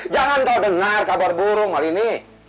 jangan kau dengar kabar burung malini